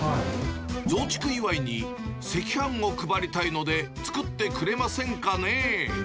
増築祝いに赤飯を配りたいので作ってくれませんかねぇ？